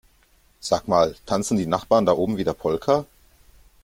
Sag mal, tanzen die Nachbarn da oben wieder Polka?